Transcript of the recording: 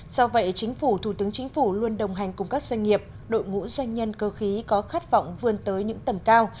do vậy chính phủ thủ tướng chính phủ luôn đồng hành cùng các doanh nghiệp đội ngũ doanh nhân cơ khí có khát vọng vươn tới những tầm cao